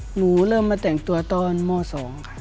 หนูเริ่มมาแต่งตัวตอนม๒ค่ะ